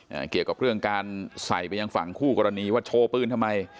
เกี่ยวกับเรื่องการใส่ไปยังฝั่งคู่กรณีว่าโชว์ปืนทำไม